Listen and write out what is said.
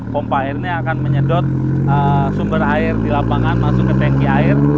pompa air ini akan menyedot sumber air di lapangan masuk ke tanki air